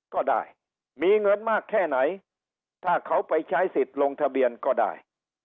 ก็ได้มีเงินมากแค่ไหนถ้าเขาไปใช้สิทธิ์ลงทะเบียนก็ได้